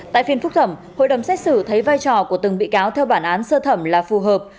tại phiên phúc thẩm hội đồng xét xử thấy vai trò của từng bị cáo theo bản án sơ thẩm là phù hợp